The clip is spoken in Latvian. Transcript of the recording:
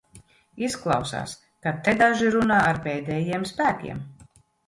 Izklausās, ka te daži runā ar pēdējiem spēkiem.